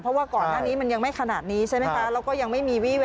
เพราะก่อนนั้นนี้มันยังไม่ขนาดนี้และยังไม่มีน่วง